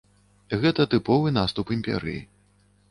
Гэта тыповы наступ імперыі.